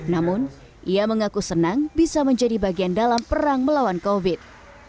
namun ia mengaku senang bisa menjadi bagian dalam perang melawan covid